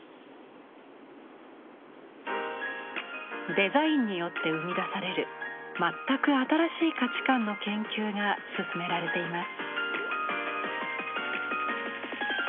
デザインによって生み出される全く新しい価値観の研究が進められています。